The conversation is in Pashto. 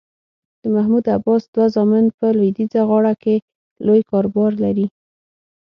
د محمود عباس دوه زامن په لویدیځه غاړه کې لوی کاروبار لري.